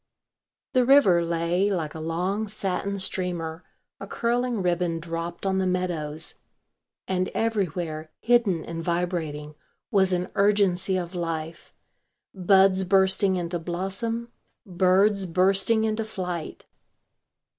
The river lay like a long satin streamer, a curling ribbon dropped on the meadows. And everywhere, hidden and vibrating, was an urgency of life: buds bursting into blossom, birds bursting into flight.